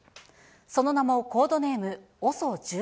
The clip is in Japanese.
その名も、コードネームＯＳＯ１８。